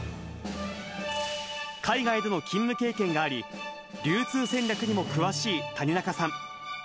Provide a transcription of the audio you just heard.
海外での勤務経験があり、流通戦略にも詳しい谷中さん。